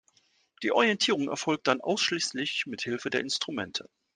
Die Orientierung erfolgt dann ausschließlich mit Hilfe der Instrumente.